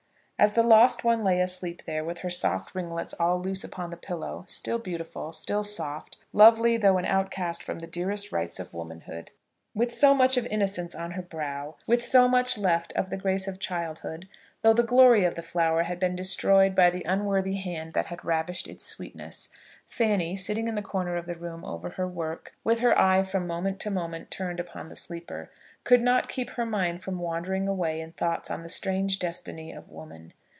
As the lost one lay asleep there, with her soft ringlets all loose upon the pillow, still beautiful, still soft, lovely though an outcast from the dearest rights of womanhood, with so much of innocence on her brow, with so much left of the grace of childhood though the glory of the flower had been destroyed by the unworthy hand that had ravished its sweetness, Fanny, sitting in the corner of the room over her work, with her eye from moment to moment turned upon the sleeper, could not keep her mind from wandering away in thoughts on the strange destiny of woman.